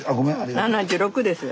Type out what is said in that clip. ７６です。